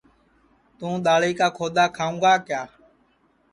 تُوں دؔاݪی کا کھودؔا کھاؤں گا کِیا